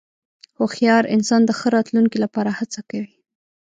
هوښیار انسان د ښه راتلونکې لپاره هڅه کوي.